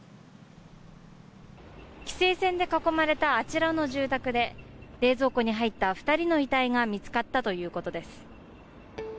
規制線で囲まれたあちらの住宅で冷蔵庫に入った２人の遺体が見つかったということです。